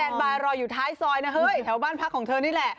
บายรออยู่ท้ายซอยนะเฮ้ยแถวบ้านพักของเธอนี่แหละ